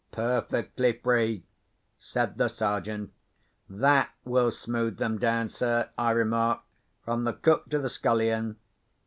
"Perfectly free," said the Sergeant. "That will smooth them down, sir," I remarked, "from the cook to the scullion."